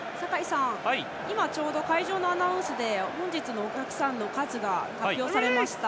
今ちょうど会場のアナウンスでお客さんの数が発表されました。